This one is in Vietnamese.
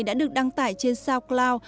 đã được đăng tải trên soundcloud